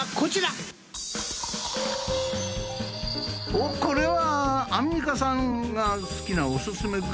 おっこれはアンミカさんが好きなお薦めグッズじゃないの？